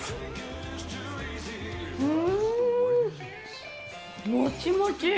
うーん、もちもち。